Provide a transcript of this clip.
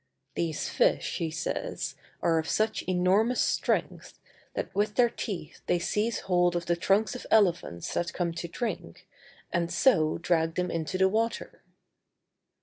These fish, he says, are of such enormous strength, that with their teeth they seize hold of the trunks of elephants that come to drink, and so drag them into the water.